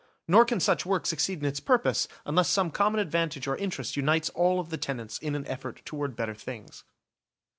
Nor can such work succeed in its purpose unless some common advantage or interest unites all of the tenants in an effort toward better things.